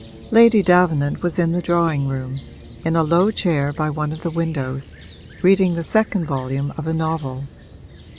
Lady Davenant was in the drawing room, in a low chair by one of the windows, reading the second volume of a novel.